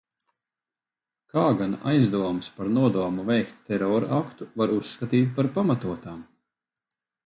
Kā gan aizdomas par nodomu veikt terora aktu var uzskatīt par pamatotām?